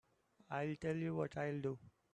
I'll tell you what I'll do.